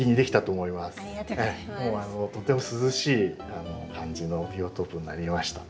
とても涼しい感じのビオトープになりました。